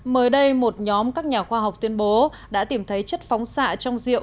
mới đây một nhóm các nhà khoa học tuyên bố đã tìm thấy chất phóng xạ trong rượu